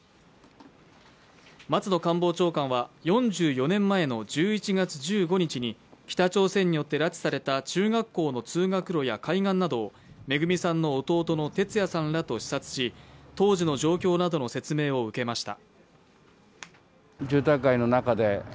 松野官房長官は４４年前の１１月１５日に北朝鮮によって拉致された中学校の通学路や海岸などをめぐみさんの弟の哲也さんらと視察し、当時の状況などの説明を受けました。